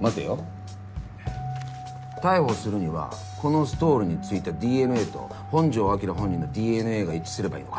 待てよ逮捕するにはこのストールに付いたＤＮＡと本城彰本人のＤＮＡが一致すればいいのか。